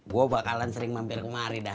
gue bakalan sering mampir kemari dah